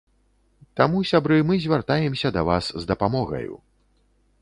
Таму, сябры, мы звяртаемся да вас з дапамогаю!